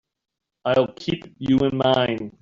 I'll keep you in mind.